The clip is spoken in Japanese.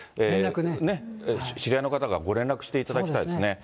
知り合いの方がご連絡していただきたいですね。